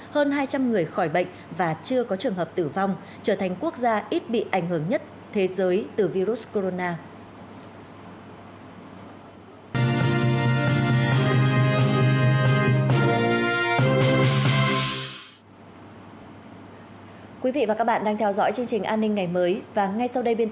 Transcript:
hơn hai trăm linh người khỏi bệnh và chưa có trường hợp tử vong trở thành quốc gia ít bị ảnh hưởng nhất thế giới từ virus corona